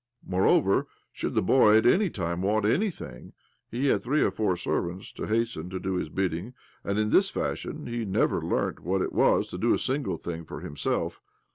Moreover, should the boy at any time want anything, he had three or four servants to hasten to do his bidding ; and in this fashion he never learnt what it was to do a single thing for himself.